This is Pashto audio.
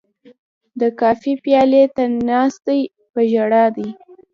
د کافي پیالې ته ناست دی په ژړا دی